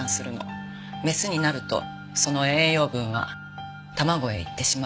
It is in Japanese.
「メスになるとその栄養分は卵へ行ってしまう」